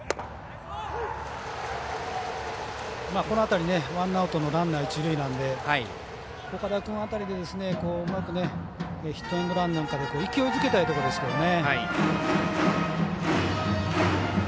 この辺りワンアウトのランナー、一塁なので岡田君辺りで、うまくヒットエンドランなんかで勢いづけたいところですけどね。